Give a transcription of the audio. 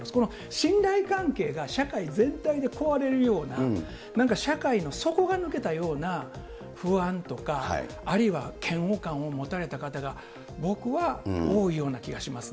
信頼関係が社会全体で問われるような、なんか社会の底が抜けたような不安とか、あるいは嫌悪感を持たれた方が、僕は多いような気がしますね。